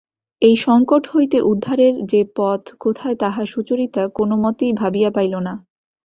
এই সংকট হইতে উদ্ধারের যে পথ কোথায় তাহা সুচরিতা কোনোমতেই ভাবিয়া পাইল না।